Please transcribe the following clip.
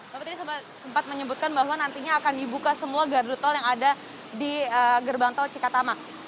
bapak tadi sempat menyebutkan bahwa nantinya akan dibuka semua gardu tol yang ada di gerbang tol cikatamak